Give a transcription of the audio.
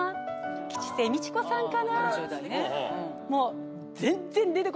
吉瀬美智子さんかな？